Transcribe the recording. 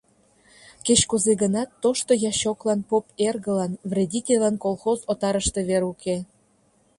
Кеч-кузе гынат, тошто ячоклан, поп эргылан, вредительлан колхоз отарыште вер уке.